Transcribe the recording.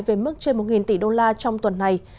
về mức trên một tỷ đô la trong tuần này